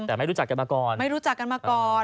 แต่ไม่รู้จักกันมาก่อนไม่รู้จักกันมาก่อน